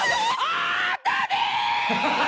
あったね！！